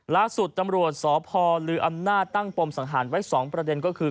ล่าสุดตำรวจสพลืออำนาจตั้งปมสังหารไว้๒ประเด็นก็คือ